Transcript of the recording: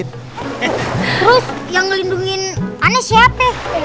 terus yang ngelindungin aneh siapa